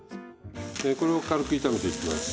これを軽く炒めていきます。